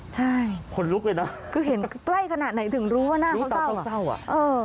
ใช่คือเห็นใกล้ขนาดไหนถึงรู้ว่าหน้าเขาเศร้าอะเออ